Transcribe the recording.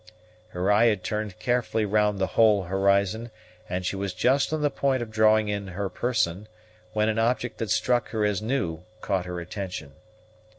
Her eye had turned carefully round the whole horizon, and she was just on the point of drawing in her person, when an object that struck her as new caught her attention.